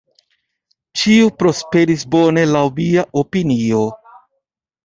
Ĉio prosperis bone laŭ mia opinio.